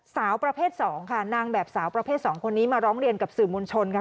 สาวประเภท๒ค่ะนางแบบสาวประเภท๒คนนี้มาร้องเรียนกับสื่อมวลชนค่ะ